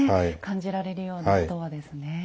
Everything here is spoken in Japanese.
感じられるような言葉ですね。